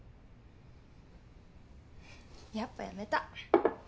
やっぱやめた。